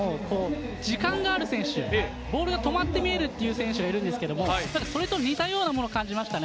卓球界でも時間がある選手、ボールが止まって見えるという選手がいるんですけど、それと似たようなものを感じました。